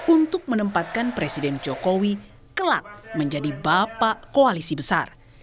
untuk menempatkan presiden jokowi kelak menjadi bapak koalisi besar